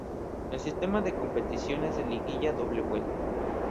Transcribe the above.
El sistema de competición es de liguilla a doble vuelta.